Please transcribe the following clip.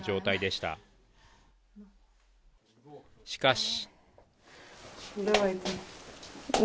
しかし。